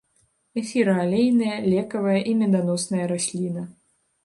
Эфіраалейная, лекавая і меданосная расліна.